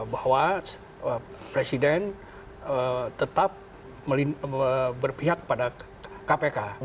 bahwa presiden tetap berpihak pada kpk